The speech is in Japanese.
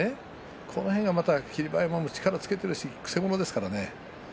この辺が霧馬山も力をつけているし、くせ者ですからね。